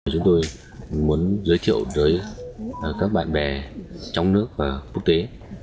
chúng tôi muốn giới thiệu tới các bạn bè trong nước và quốc tế